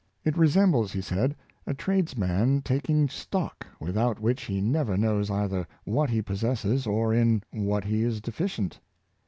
'' It resembles, '^ he said, " a tradesman taking stock, without which he never knows either what he possesses or in what he is defi cient."